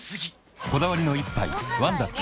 こだわりの一杯「ワンダ極」